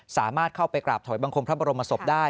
สามารถเข้าไปกราบถอยบังคมพระบรมศพได้